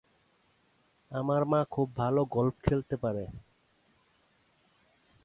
আমার মা খুব ভাল গলফ খেলতে পারে।